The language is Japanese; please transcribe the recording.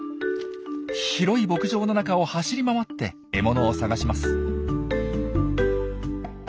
広い牧場の中を走り回って獲物を探します。